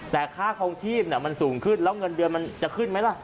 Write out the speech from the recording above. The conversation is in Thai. แต่ค่าคลองชีพมันสูงขึ้นแล้วเงินเดือนมันจะขึ้นไหมล่ะ